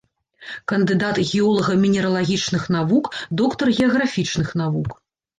Кандыдат геолага-мінералагічных навук, доктар геаграфічных навук.